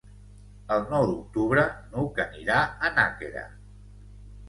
El nou d'octubre n'Hug anirà a Nàquera.